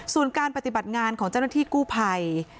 ส่วนการปฏิบัติงานของเจ้าหน้าที่กู้ภัย